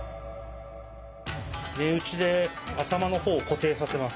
目打ちで頭の方を固定させます。